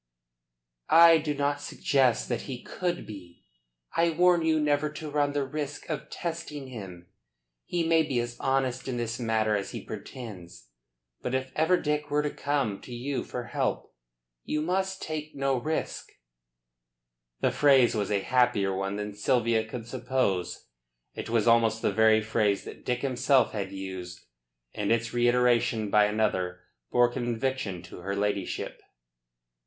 "I do not suggest that he could be. I warn you never to run the risk of testing him. He may be as honest in this matter as he pretends. But if ever Dick were to come to you for help, you must take no risk." The phrase was a happier one than Sylvia could suppose. It was almost the very phrase that Dick himself had used; and its reiteration by another bore conviction to her ladyship.